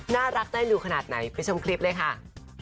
น่ารักได้ดูขนาดไหนไปชมคลิปเลยค่ะ